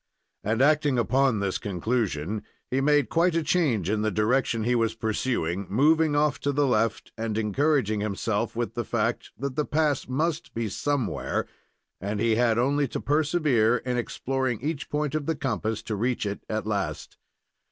And, acting upon this conclusion, he made quite a change in the direction he was pursuing, moving off to the left, and encouraging himself with the fact that the pass must be somewhere, and he had only to persevere in exploring each point of the compass to reach it at last.